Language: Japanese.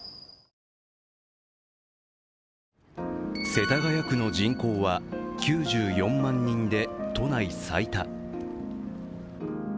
世田谷区の人口は９４万人で都内最多。